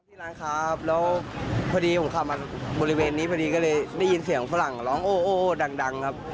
ร้านค้าครับแล้วพอดีผมขับมาบริเวณนี้พอดีก็เลยได้ยินเสียงฝรั่งร้องโอ้ดังครับ